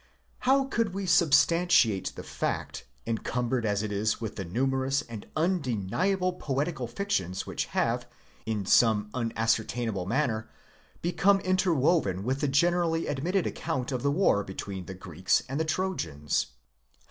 How could we substantiate the fact, encumbered as it is with the numerous and undeni able poetical fictions which have, in some unascertainable manner, become interwoven with the generally admitted account of the war between the Greeks: and the Trojans?